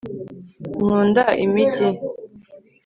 nkunda imigi